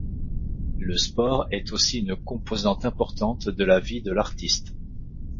Le sport est aussi une composante importante de la vie de l’artiste.